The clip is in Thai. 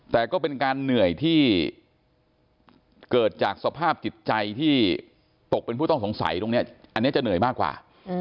แต่ก็เป็นการเหนื่อยที่เกิดจากสภาพจิตใจที่ตกเป็นผู้ต้องสงสัยตรงนี้อันนี้จะเหนื่อยมากกว่า